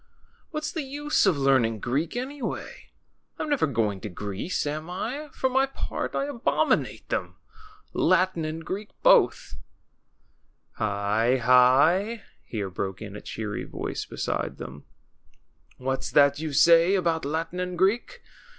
What's the use of learning Greek, anyway ? I'm never going to Greece, am I ? For my part I abominate them, Latin and Greek both." Hi, hi !" here broke in a cheery voice beside them. 104 THE CHILDREN'S WONDER BOOK. What's that you say about Latin and Greek